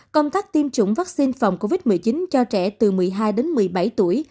công tác tiêm chủng vaccine phòng covid một mươi chín cho trẻ từ một mươi hai đến một mươi bảy tuổi